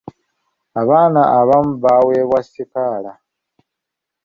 Abaana abamu baaweebwa sikaala.